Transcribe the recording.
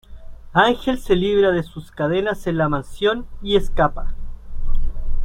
Ángel se libra de sus cadenas en la Mansión y escapa.